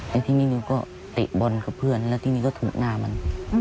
แล้วทีนี้หนูก็เตะบอลกับเพื่อนแล้วทีนี้ก็ถูกหน้ามัน